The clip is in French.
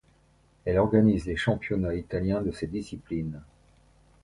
Elle organise les championnats italiens de ces disciplines.